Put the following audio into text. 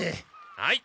はい。